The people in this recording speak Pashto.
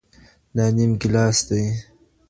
دا نيم ګيلاس دئ.